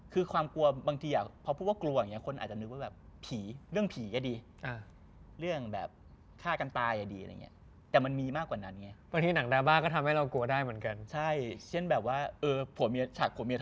คือความกลัวบางทีพอพูดว่ากลัวอย่างนี้คนอาจจะนึกว่าแบบผี